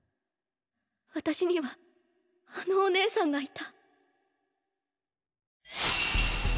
私にはあのお姉さんがいた。